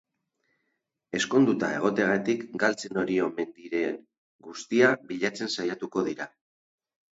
Ezkonduta egoteagatik galtzen ari omen diren guztia bilatzen saiatuko dira.